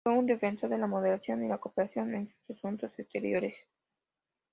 Fue un defensor de la moderación y la cooperación en asuntos exteriores.